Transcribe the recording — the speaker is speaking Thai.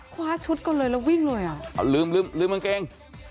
คว้าชุดก่อนเลยแล้ววิ่งเลยอ่ะเอาลืมลืมกางเกง